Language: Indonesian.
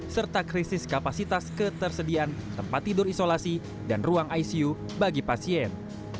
serta krisis kapasitas ketersediaan tempat tidur isolasi dan ruang icu bagi pasien